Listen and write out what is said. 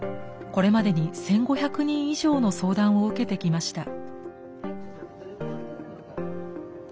これまでに１，５００人以上の相談を受けてきました。